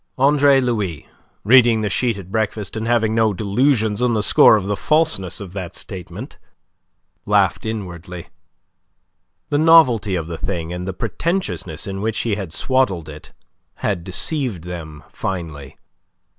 Andre Louis, reading the sheet at breakfast, and having no delusions on the score of the falseness of that statement, laughed inwardly. The novelty of the thing, and the pretentiousness in which he had swaddled it, had deceived them finely.